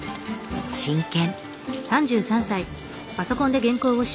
真剣。